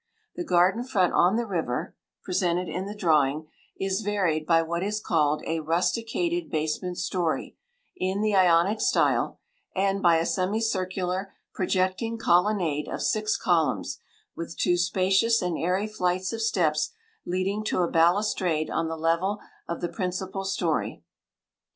The garden front on the river (presented in the drawing) is varied by what is called a rusticated basement story, in the Ionic style, and by a semi circular projecting colonnade of six columns, with two spacious and airy flights of steps leading to a balustrade on the level of the principal story.